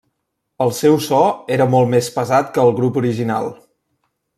El seu so era molt més pesat que el grup original.